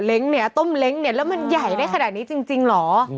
เนี่ยต้มเล้งเนี่ยแล้วมันใหญ่ได้ขนาดนี้จริงเหรอ